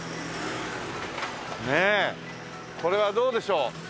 これはどうでしょう。